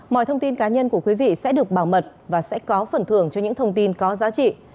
mọi thông tin cá nhân của quý vị sẽ được bảo mật và sẽ có phần thưởng cho những thông tin có giá trị